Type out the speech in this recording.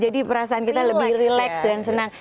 jadi perasaan kita lebih relax dan senang